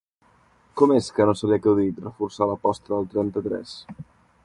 Com és que no se li ha acudit reforçar l'aposta del trenta-tres?